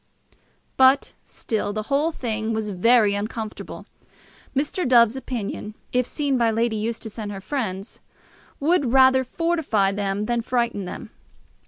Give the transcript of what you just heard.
But still the whole thing was very uncomfortable. Mr. Dove's opinion, if seen by Lady Eustace and her friends, would rather fortify them than frighten them.